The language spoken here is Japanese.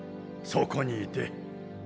そこにいて。